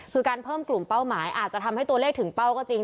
คือการเพิ่มกลุ่มเป้าหมายอาจจะทำให้ตัวเลขถึงเป้าก็จริง